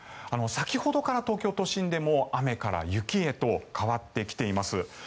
先ほどから東京都心でも雨から雪へと変わってきています。